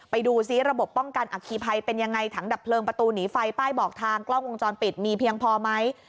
ไปดูซิระบบป้องกันอคีภัยเป็นยังไงถังดับเพลิงประตูหนีไฟป้ายบอกทางกล้องวงจรปิดมีเพียงพอไหม